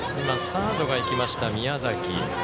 サードが行きました、宮崎。